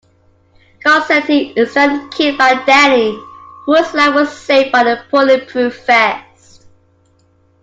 Garcetti is then killed by Danny, whose life was saved by a bulletproof vest.